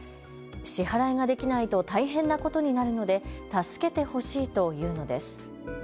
支払いができないと大変なことになるので助けてほしいというのです。